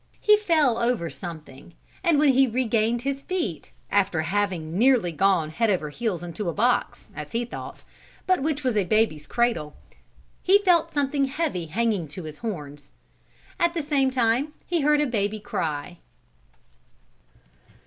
He fell over something and when he regained his feet, after having nearly gone head over heels into a box, as he thought, but which was a baby's cradle, he felt something heavy hanging to his horns. At the same time he heard a baby cry.